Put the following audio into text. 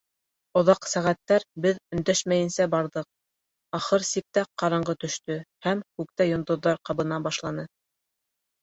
Оҙаҡ сәғәттәр беҙ өндәшмәйенсә барҙыҡ; ахыр сиктә ҡараңғы төштө, һәм күктә йондоҙҙар ҡабына башланы.